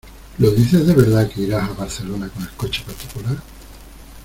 ¿Lo dices de verdad que irás a Barcelona con el coche particular?